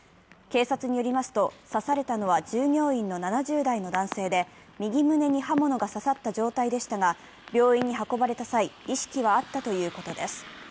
警察によりますと、刺されたのは従業員の７０代の男性で右胸に刃物が刺さった状態でしたが、病院に運ばれた際意識はあったということです。